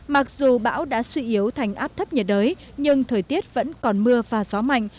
mặc dù bão đã suy yếu thành áp thấp nhiệt đới nhưng thời tiết vẫn còn mưa và gió mạnh